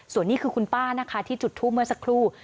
ส่วนนี้คือคุณป้านะคะที่จุดทูปเมื่อสักครู่